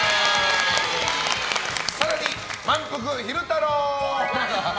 更にまんぷく昼太郎！